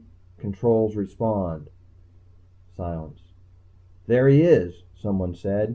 controls respond." Silence. "There he is," someone said.